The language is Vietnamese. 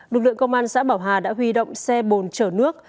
lực lượng công an xã bảo hà đã huy động xe bồn chở nước